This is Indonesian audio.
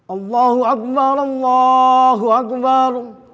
allahu akbar allahu akbar